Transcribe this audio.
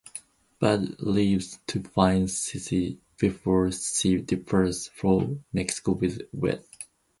Bud leaves to find Sissy before she departs for Mexico with Wes.